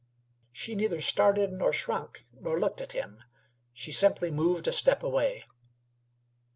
She neither started nor shrunk nor looked at him. She simply moved a step away.